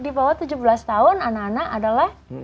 di bawah tujuh belas tahun anak anak adalah